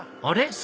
あれ？